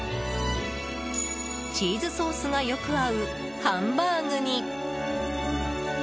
チーズソースがよく合うハンバーグに。